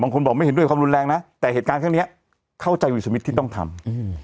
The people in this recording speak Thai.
คนบอกไม่เห็นด้วยความรุนแรงนะแต่เหตุการณ์ข้างนี้เข้าใจวิสิตที่ต้องทำ